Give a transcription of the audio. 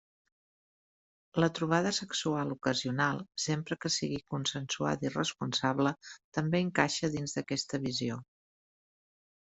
La trobada sexual ocasional, sempre que sigui consensuada i responsable, també encaixa dins d'aquesta visió.